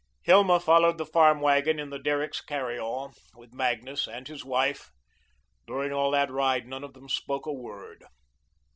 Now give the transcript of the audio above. Hilma followed the farm wagon in the Derricks' carry all, with Magnus and his wife. During all that ride none of them spoke a word.